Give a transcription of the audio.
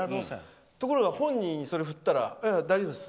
ところが、本人にそれを振ったらああ、大丈夫です。